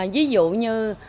ví dụ như